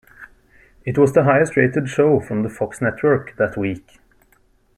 It was the highest rated show from the Fox Network that week.